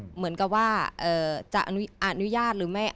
เหมือนกับว่าจะอนุญาตหรือไม่